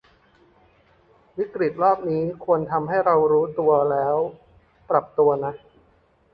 วิกฤตรอบนี้ควรทำให้เรารู้ตัวแล้วปรับตัวนะ